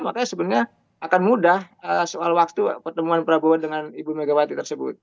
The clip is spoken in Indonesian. makanya sebenarnya akan mudah soal waktu pertemuan prabowo dengan ibu megawati tersebut